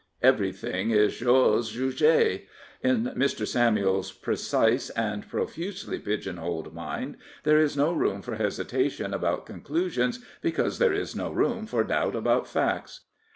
Everything is chose jugde. In Mr. Samuel's precise and profusely pigeon holed mind there is no room for hesitation abS^Tonclusions, because there is no room for doubt about facts.